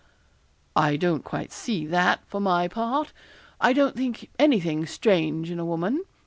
'I don't quite see that for my part, I don't think anything strange in a woman.